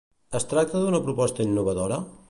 Es tracta d'una proposta innovadora?